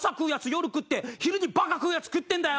夜食って昼にバカ食うやつ食ってんだよ！